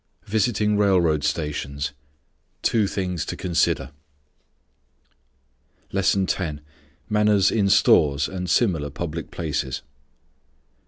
_ Visiting railroad stations. Two things to consider. LESSON X. MANNERS IN STORES AND SIMILAR PUBLIC PLACES.